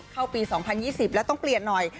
เข้าปี๒๐๒๐แล้วต้องเปลี่ยนหน่อย